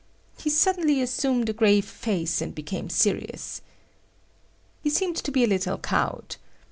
he suddenly assumed a grave face and became serious. He seemed to be a little cowed.